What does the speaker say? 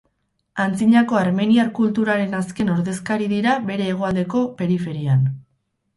Antzinako armeniar kulturaren azken ordezkari dira bere hegoaldeko periferian.